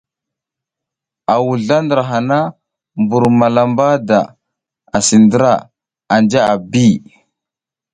A wuzla ndra hana, mbur malamba da asi ndra anja a bi.